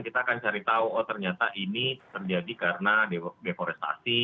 kita akan cari tahu oh ternyata ini terjadi karena deforestasi